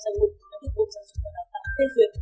trong sản phẩm giáo dục và đào tạo tp hcm